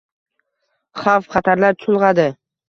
Xavf-xatarlar chulgʻadi